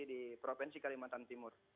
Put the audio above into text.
jadi di provinsi kalimantan timur